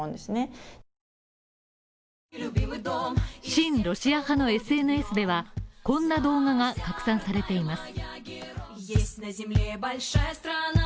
親ロシア派のＳＮＳではこんな動画が拡散されています